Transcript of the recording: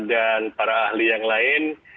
dan para ahli yang lain